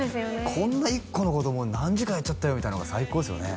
こんな１個のことを何時間やっちゃったよみたいなのが最高っすよね